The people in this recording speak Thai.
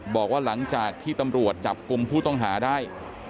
บอกว่าหลังจากที่ตำรวจจับกลุ่มผู้ต้องหาได้